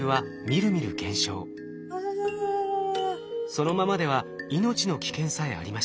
そのままでは命の危険さえありました。